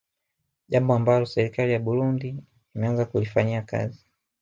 Jambo ambalo serikali ya Buirundi imeanza kulifanyika kazi